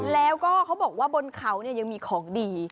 แล้วก็บนเขาบนเขายังมีของดี